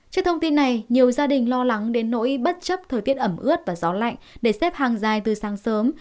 trước thông tin này nhiều gia đình lo lắng đến nỗi bất chấp thời tiết ẩm ướt và gió lạnh để xếp hàng dài từ sáng sớm